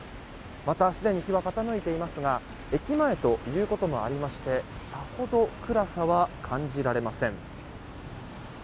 またすでに日は傾いていますが駅前ということもありましてさほど暗さは感じられません。